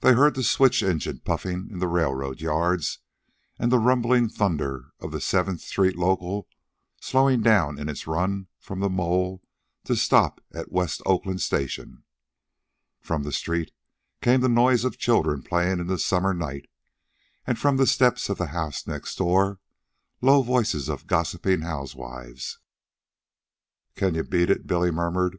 They heard the switch engines puffing in the railroad yards, and the rumbling thunder of the Seventh Street local slowing down in its run from the Mole to stop at West Oakland station. From the street came the noise of children playing in the summer night, and from the steps of the house next door the low voices of gossiping housewives. "Can you beat it?" Billy murmured.